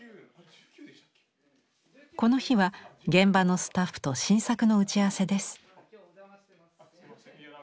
この日は現場のスタッフと新作の打ち合わせです。